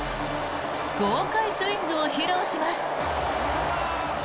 豪快スイングを披露します。